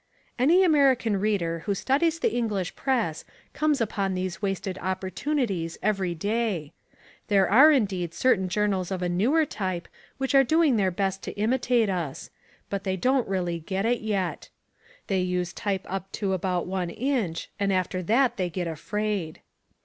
Any American reader who studies the English Press comes upon these wasted opportunities every day. There are indeed certain journals of a newer type which are doing their best to imitate us. But they don't really get it yet. They use type up to about one inch and after that they get afraid.